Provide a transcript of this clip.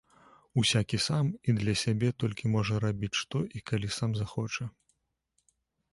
Усякі сам і для сябе толькі можа рабіць што і калі сам захоча.